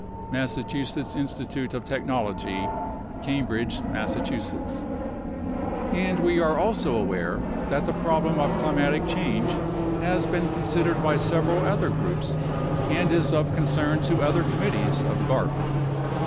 Massachusetts Institute of Technology, Cambridge, Mass.], and we are also aware that the problem of climatic change has been considered by several other groups and is of concern to other committees of garp.